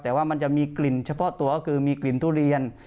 แต่ว่ามันจะมีกลิ่นเฉพาะตัวก็คือมีกลิ่นทุเรียน